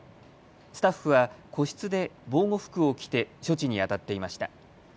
スタッフは個室で防護服を着て処置にあたっていました。